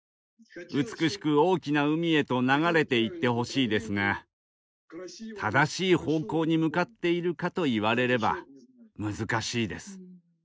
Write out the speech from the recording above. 美しく大きな海へと流れていってほしいですが正しい方向に向かっているかと言われれば難しいです。